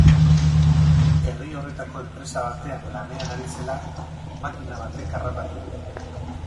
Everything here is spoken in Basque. Herri horretako enpresa batean lanean ari zela, makina batek harrapatu du.